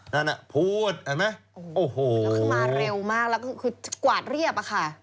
นั่นพูดเห็นไหม